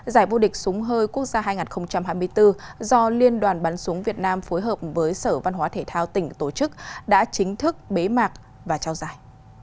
giải vô địch súng hơi quốc gia hai nghìn hai mươi bốn do liên đoàn bắn súng việt nam phối hợp với sở văn hóa thể thao tỉnh tổ chức đã chính thức bế mạc và trao giải